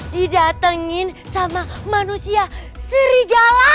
didatengin sama manusia serigala